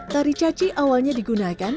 tari caci awalnya digunakan